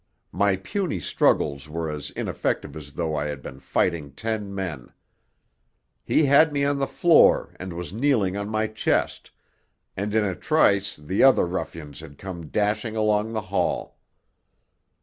My puny struggles were as ineffective as though I had been fighting ten men. He had me on the floor and was kneeling on my chest, and in a trice the other ruffians had come dashing along the hall.